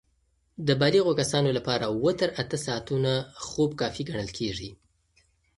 د بالغو کسانو لپاره اووه تر اته ساعتونه خوب کافي ګڼل کېږي.